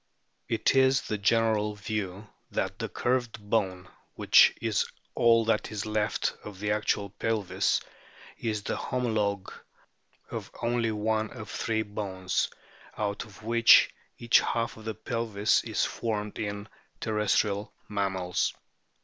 It is the general view that the curved bone, which is all that is left of the actual pelvis, is the homologue of only one of the three bones, out of which each half of the pelvis is formed in terrestrial mammals.